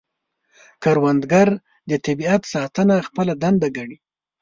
کروندګر د طبیعت ساتنه خپله دنده ګڼي